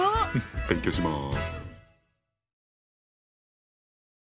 勉強します！